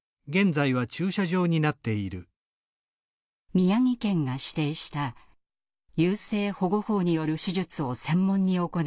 宮城県が指定した優生保護法による手術を専門に行う診療所。